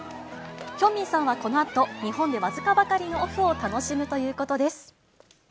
ヒョンビンさんはこのあと、日本で僅かばかりのオフを楽しむということです。